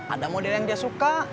ada model yang dia suka